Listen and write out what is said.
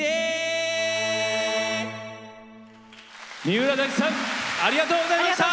三浦大知さんありがとうございました！